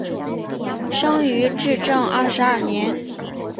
生于至正二十二年。